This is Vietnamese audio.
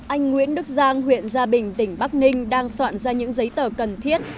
anh nguyễn đức giang huyện gia bình tỉnh bắc ninh đang soạn ra những giấy tờ cần thiết